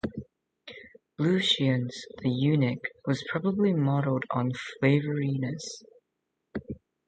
Lucian's "the Eunuch" was probably modeled on Favorinus.